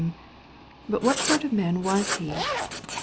But what sort of a man was he?